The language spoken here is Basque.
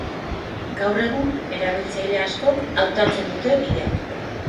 Gaur egun, erabiltzaile askok hautatzen dute bide hau.